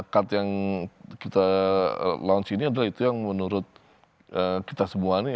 card yang kita launch ini adalah itu yang menurut kita semua nih